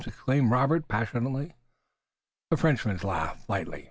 exclaimed Robert passionately. The Frenchman laughed lightly.